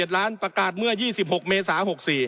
๑ล้านประกาศเมื่อ๒๖เมษา๖๔